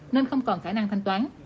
nên không còn khả năng thanh toán